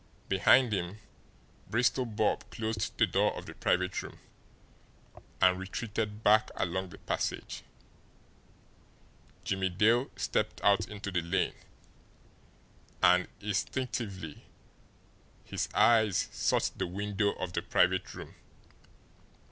Behind him, Bristol Bob closed the door of the private room and retreated back along the passage. Jimmie Dale stepped out into the lane and instinctively his eyes sought the window of the private room.